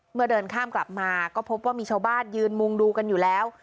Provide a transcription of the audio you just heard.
เดินข้ามกลับมาก็พบว่ามีชาวบ้านยืนมุงดูกันอยู่แล้ว